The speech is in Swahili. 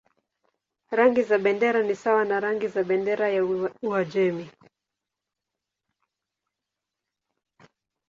Rangi za bendera ni sawa na rangi za bendera ya Uajemi.